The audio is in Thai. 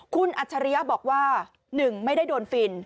คุณอัจฉริยะบอกว่า๑ไม่ได้โดนฟิน